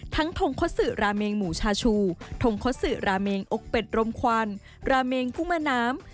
ทั้งธงคสราเมงหมูชาชูธงคสราเมงอกเป็ดร่มควานราเมงกุ้มน้ำ